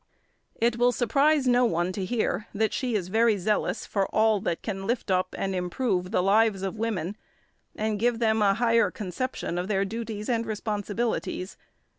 It will surprise no one to hear that she is very zealous for all that can lift up and improve the lives of women, and give them a higher conception of their duties and responsibilities.